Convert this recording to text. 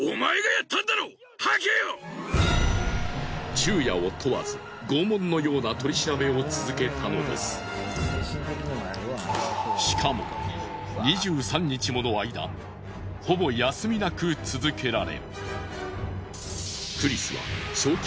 昼夜を問わずしかも２３日もの間ほぼ休みなく続けられ。